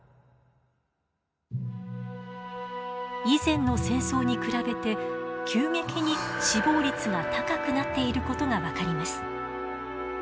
以前の戦争に比べて急激に死亡率が高くなっていることが分かります。